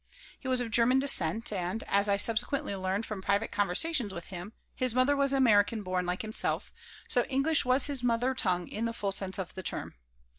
He was of German descent and, as I subsequently learned from private conversations with him, his mother was American born, like himself, so English was his mother tongue in the full sense of the term.